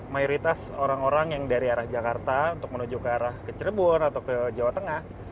mayoritas orang orang yang dari arah jakarta untuk menuju ke arah ke cirebon atau ke jawa tengah